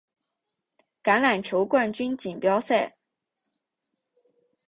橄榄球冠军锦标赛。